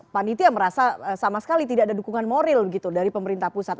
pan itia merasa sama sekali tidak ada dukungan moril gitu dari pemerintah pusat